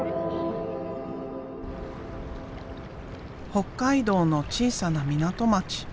北海道の小さな港町。